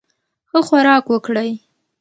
ښه خوراک وکړئ.